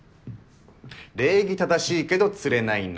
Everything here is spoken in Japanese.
礼儀正しいけどつれないな。